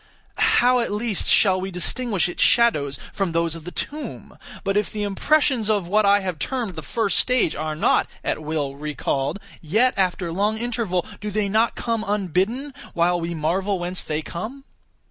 How at least shall we distinguish its shadows from those of the tomb? But if the impressions of what I have termed the first stage are not, at will, recalled, yet, after long interval, do they not come unbidden, while we marvel whence they come?